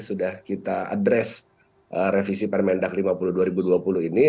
sudah kita adres revisi permendak lima puluh dua ribu dua puluh ini